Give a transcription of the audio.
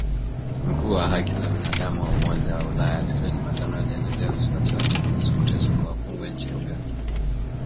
Mkuu wa haki za binadamu wa Umoja wa Ulaya siku ya Jumatano alielezea wasiwasi wake kuhusu kuteswa kwa wafungwa nchini Uganda.